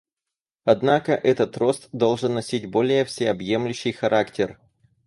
Однако этот рост должен носить более всеобъемлющий характер.